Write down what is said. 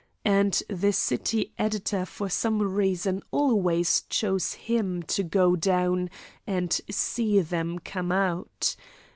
And the city editor for some reason always chose him to go down and see them come out.